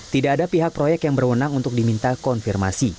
tidak ada pihak proyek yang berwenang untuk diminta konfirmasi